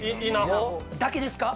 だけですか？